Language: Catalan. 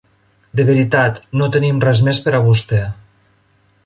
De veritat, no tenim res més per a vostè.